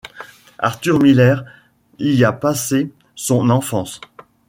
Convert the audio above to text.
Arthur Miller y a passé son enfance.